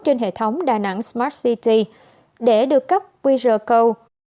trên hệ thống đà nẵng smart city để được cấp quy rờ cầu